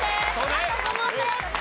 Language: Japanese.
あと５問です。